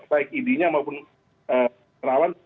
baik idi nya maupun perawan